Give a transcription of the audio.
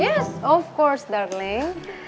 ya tentu saja sayang